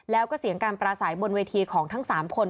แล้วก็เสียงการปราศัยบนเวทีของทั้ง๓คน